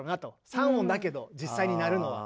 ３音だけど実際に鳴るのは。